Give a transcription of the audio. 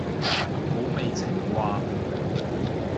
土味情話